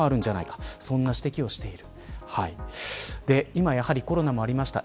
今、やはりコロナもありました。